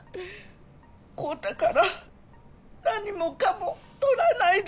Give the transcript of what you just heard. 昂太から何もかも取らないで。